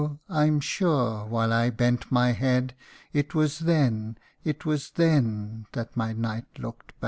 I am sure, while I bent my head, It was then it was then that my knight look'd back."